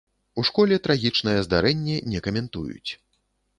У школе трагічнае здарэнне не каментуюць.